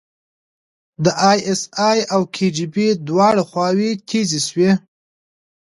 د ای اس ای او کي جی بي دواړه خواوې تیزې شوې.